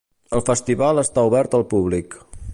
El Festival està obert al públic.